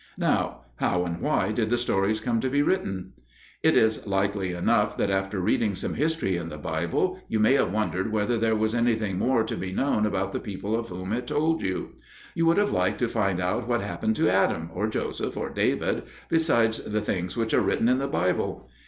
Now, how and why did the stories come to be written? It is likely enough that after reading some history in the Bible you may have wondered whether there was anything more to be known about the people of whom it told you. You would have liked to find out what happened to Adam, or Joseph, or David, besides the things which are written in the Bible.